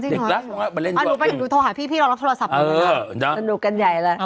เหรอจริงอ๋อดูไปดูโทรหาพี่รับโทรศัพท์กันเวลาสนุกกันใหญ่แล้ว